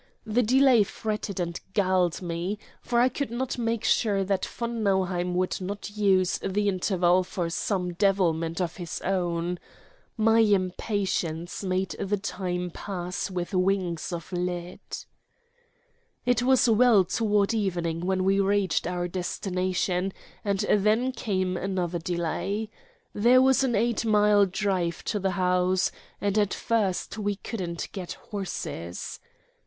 The delay fretted and galled me, for I could not make sure that von Nauheim would not use the interval for some devilment of his own. My impatience made the time pass with wings of lead. It was well toward evening when we reached our destination, and then came another delay. There was an eight mile drive to the house, and at first we couldn't get horses.